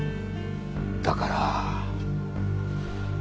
だから。